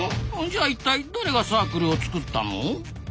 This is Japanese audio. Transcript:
じゃあ一体誰がサークルを作ったの？